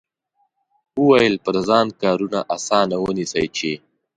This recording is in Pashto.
وویل پر ځان کارونه اسانه ونیسئ چې.